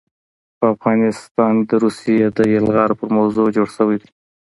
په افغانستان د روسي يلغار په موضوع جوړ شوے دے